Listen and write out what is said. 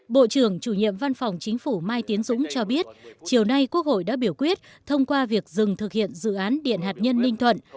bộ trưởng chủ nhiệm văn phòng chính phủ mai tiến dũng cho biết chiều nay quốc hội đã biểu quyết thông qua việc dừng thực hiện dự án điện hạt nhân ninh thuận